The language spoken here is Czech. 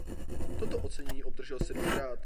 Toto ocenění obdržel sedmkrát.